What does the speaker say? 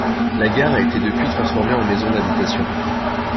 La gare a été depuis transformée en maison d'habitation.